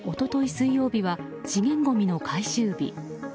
水曜日は資源ごみの回収日。